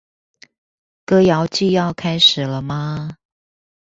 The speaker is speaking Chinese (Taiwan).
歌謠祭要開始了嗎